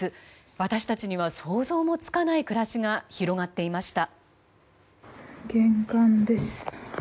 私たちには、想像もつかない暮らしが広がっていました。